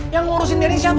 yang ngurusin denny siapa